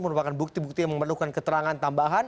merupakan bukti bukti yang memerlukan keterangan tambahan